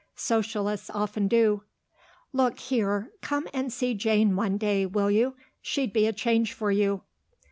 Socialists often do.... Look here, come and see Jane one day, will you? She'd be a change for you."